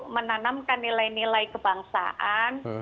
menanamkan nilai nilai kebangsaan